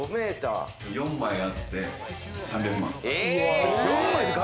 ４枚あって３００万です。